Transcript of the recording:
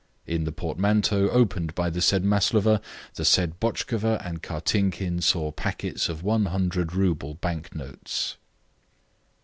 In the portmanteau opened by the said Maslova, the said Botchkova and Kartinkin saw packets of 100 rouble bank notes.